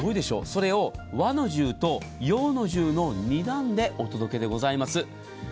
それを和の重と洋の重の２段でお届けでございます。